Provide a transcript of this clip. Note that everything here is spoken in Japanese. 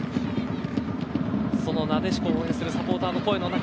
そのなでしこを応援するサポーターの声の中。